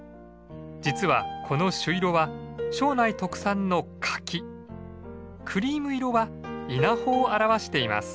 実はこの朱色は庄内特産の柿クリーム色は稲穂を表しています。